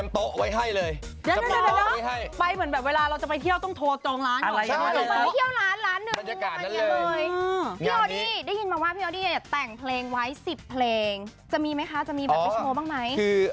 คือเราจะเตรียมโต๊ะไว้ให้เลย